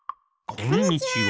こんにちは！